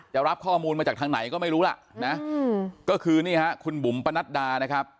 รับข้อมูลมาจากทางไหนก็ไม่รู้ล่ะนะก็คือนี่ฮะคุณบุ๋มปะนัดดานะครับ